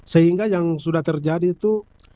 sehingga yang sudah terjadi itu